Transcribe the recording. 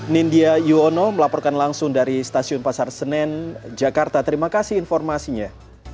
nindya yuwono melaporkan langsung dari stasiun pasar senen jakarta terima kasih informasinya